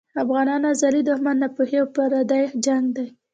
د افغانانو ازلي دښمن ناپوهي او پردی جنګ دی.